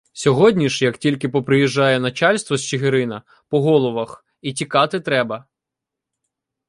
Сьогодні ж, як тільки поприїжджає начальство з Чигирина, — по головах — і тікати треба.